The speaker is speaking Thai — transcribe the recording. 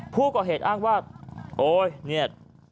ผู้ก่อเหตุอ้างว่าโอ๊ยเนี่ย